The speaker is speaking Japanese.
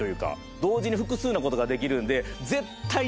同時に複数のことができるんで。